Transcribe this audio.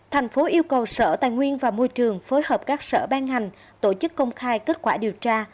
thành phố yêu cầu sở tài nguyên và môi trường phối hợp các sở ban hành tổ chức công khai kết quả điều tra